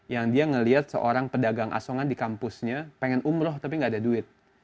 yang dia ngelihat seorang pedagang asongan di kampusnya pengen umroh tapi gak ada duit